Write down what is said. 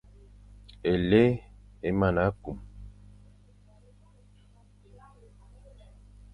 Éli é mana kum.